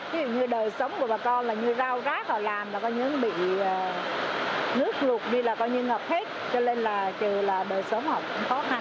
ví dụ như đời sống của bà con là như rau gác họ làm là coi như bị nước lụt đi là coi như ngập hết cho nên là trừ là đời sống họ cũng khó khăn